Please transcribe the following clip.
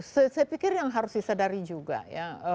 saya pikir yang harus disadari juga ya